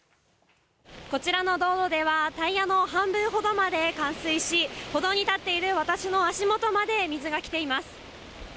こちらの道路では、タイヤの半分ほどまで冠水し、歩道に立っている私の足元まで水が来ています。